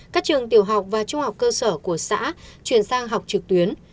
các trường tiểu học và trung học cơ sở của xã chuyển sang học trực tuyến